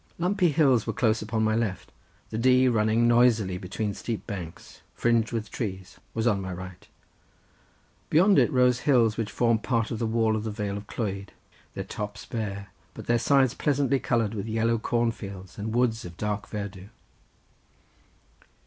Lumpy hills were close upon my left, the Dee running noisily between steep banks, fringed with trees, was on my right; beyond it rose hills which form part of the wall of the vale of Clwyd; their tops bare, but their sides pleasantly coloured with yellow corn fields and woods of dark verdure.